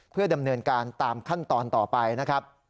เพื่อดำเนินการตามขั้นตอนต่อไปนะครับ